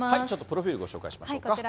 ちょっとプロフィールご紹介しましょうか。